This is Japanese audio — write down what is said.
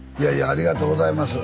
ありがとうございます。